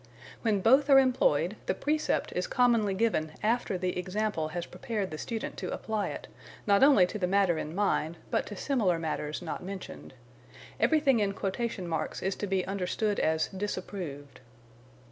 When both are employed the precept is commonly given after the example has prepared the student to apply it, not only to the matter in mind, but to similar matters not mentioned. Everything in quotation marks is to be understood as disapproved.